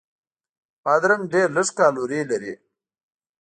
بادرنګ ډېر لږ کالوري لري.